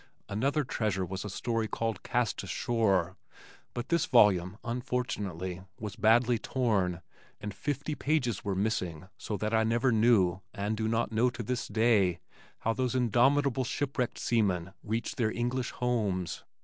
Another treasure was a story called Cast Ashore, but this volume unfortunately was badly torn and fifty pages were missing so that I never knew, and do not know to this day, how those indomitable shipwrecked seamen reached their English homes.